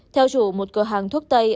theo chủ một cửa hàng thuốc tây